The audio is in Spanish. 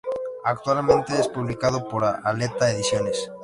Actualmente, es publicado por Aleta Ediciones.